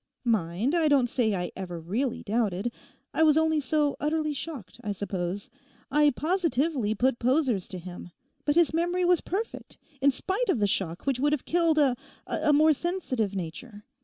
Mind, I don't say I ever really doubted. I was only so utterly shocked, I suppose. I positively put posers to him; but his memory was perfect in spite of the shock which would have killed a—a more sensitive nature.